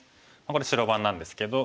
これ白番なんですけど。